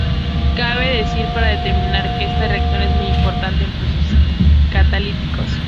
Cabe decir, para terminar, que esta reacción es muy importante en procesos catalíticos.